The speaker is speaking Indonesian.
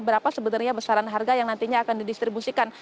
berapa sebenarnya besaran harga yang nantinya akan didistribusikan